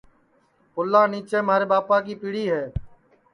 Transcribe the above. پُلا نیچے مھارے ٻاپا کی پیڑی ہے